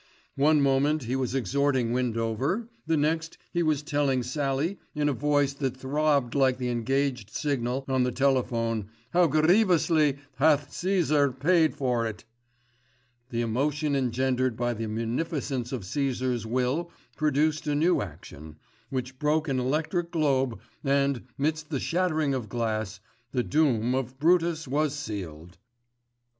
One moment he was exhorting Windover, the next he was telling Sallie in a voice that throbbed like the engaged signal on the telephone how "gerievously hath Cæsar paid for it." The emotion engendered by the munificence of Cæsar's will produced a new action, which broke an electric globe and, midst the shattering of glass, the doom of Brutus was sealed.